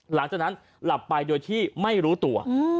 หลังจากนั้นหลับไปโดยที่ไม่รู้ตัว